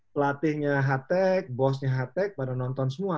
pelatih dan bosnya hattek menonton semua